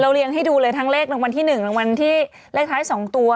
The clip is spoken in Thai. เราเรียงให้ดูเลยทั้งเลขดังวันที่หนึ่งดังวันที่เลขท้ายสองตัว